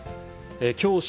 きょう正